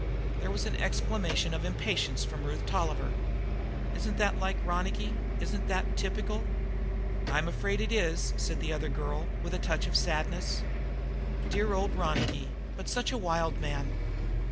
There was an exclamation of impatience from Ruth Tolliver. "Isn't that like Ronicky? Isn't that typical?" "I'm afraid it is," said the other girl with a touch of sadness. "Dear old Ronicky, but such a wild man!"